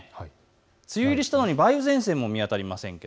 梅雨入りしたのに梅雨前線も見当たりません。